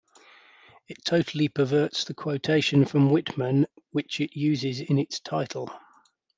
It totally perverts the quotation from Whitman which it uses in its title.